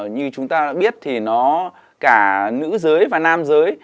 như chúng ta đã biết thì nó cả nữ giới và nam giới